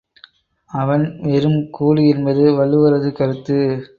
அவன் வெறும் கூடு என்பது வள்ளுவரது கருத்து.